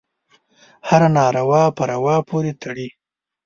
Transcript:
هره ناروا په روا پورې تړي.